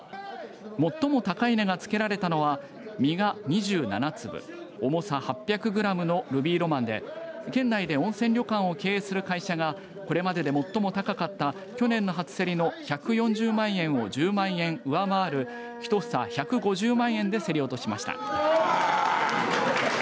最も高い値がつけられたのは実が２７粒重さ８００グラムのルビーロマンで県内で温泉旅館を経営する会社がこれまでで最も高かった去年の初競りの１４０万円を１０万円上回る１房１５０万円で競り落としました。